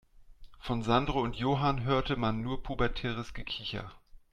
Von Sandro und Johann hörte man nur pubertäres Gekicher.